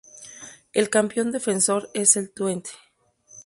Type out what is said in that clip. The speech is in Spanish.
El campeón defensor es el Twente.